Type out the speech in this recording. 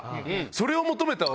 それを求めて。